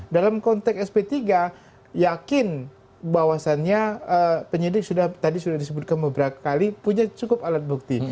dalam konteks sp tiga yakin bahwasannya penyidik sudah tadi sudah disebutkan beberapa kali punya cukup alat bukti